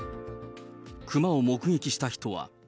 熊を目撃した人は。